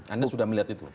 anda sudah melihat itu